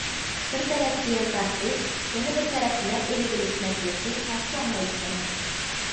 بىر تەرەپ زىيان تارتىش، يەنە بىر تەرەپ نەپ ئېلىۋېلىش مەسىلىسى ئەسلا مەۋجۇت ئەمەس.